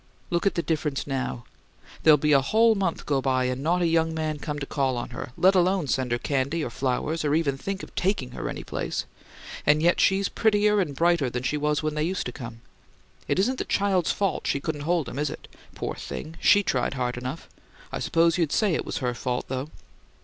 Look at the difference now! There'll be a whole month go by and not a young man come to call on her, let alone send her candy or flowers, or ever think of TAKING her any place and yet she's prettier and brighter than she was when they used to come. It isn't the child's fault she couldn't hold 'em, is it? Poor thing, SHE tried hard enough! I suppose you'd say it was her fault, though."